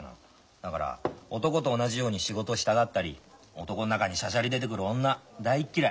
だから男と同じように仕事をしたがったり男の中にしゃしゃり出てくる女大嫌い。